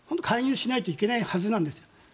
介入しないといけないはずなんです。